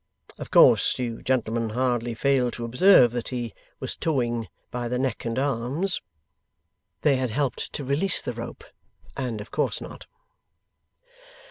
Of course you gentlemen hardly failed to observe that he was towing by the neck and arms.' They had helped to release the rope, and of course not.